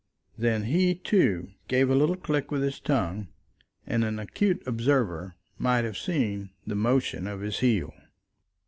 Then he, too, gave a little click with his tongue, and an acute observer might have seen the motion of his heel.